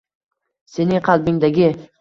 Sening qalbingdagi